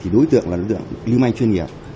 đối tượng là đối tượng lưu manh chuyên nghiệp